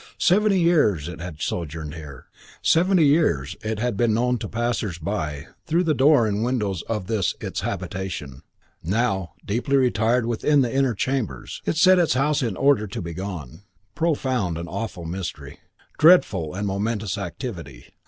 Seventy years it had sojourned here; now it was bound away. Seventy years it had been known to passers by through the door and windows of this its habitation; now, deeply retired within the inner chambers, it set its house in order to be gone. Profound and awful mystery. Dreadful and momentous activity.